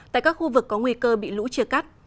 tại các khu vực có nguy cơ bị lũ chia cắt